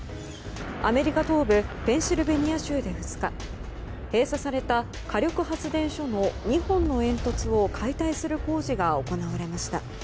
アメリカ東部ペンシルベニア州で２日閉鎖された火力発電所の２本の煙突を解体する工事が行われました。